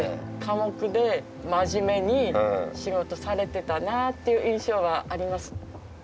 寡黙で真面目に仕事されてたなあっていう印象はあります。